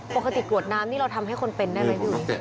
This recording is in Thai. ปกติกรวดน้ำนี่เราทำให้คนเป็นได้ไหมพี่อุ๋ย